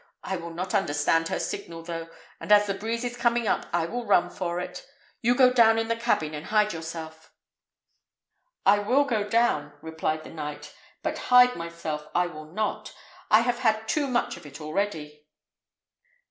I will not understand her signal, though; and as the breeze is coming up, I will run for it. Go you down in the cabin and hide yourself." "I will go down," replied the knight. "But hide myself I will not; I have had too much of it already."